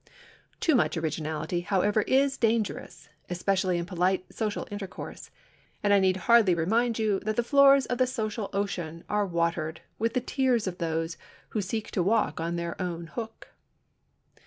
Too much originality, however, is dangerous, especially in polite social intercourse, and I need hardly remind you that the floors of the social ocean are watered with the tears of those who seek to walk on their own hook.